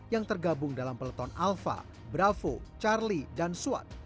yang tergabung dalam peleton alfa bravo charlie dan swat